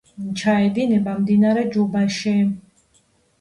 ჩაედინება მდინარე ჯუბაში.